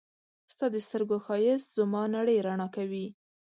ستا د سترګو ښایست زما نړۍ رڼا کوي.